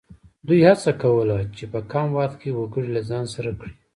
دوی هڅه کوله چې په کم وخت کې وګړي له ځان سره کړي.